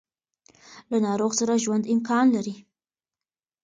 له ناروغ سره ژوند امکان لري.